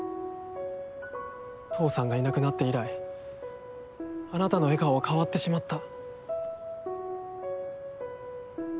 父さんがいなくなって以来あなたの笑顔は変わってしまった。